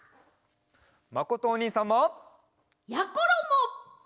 まことおにいさんも！やころも！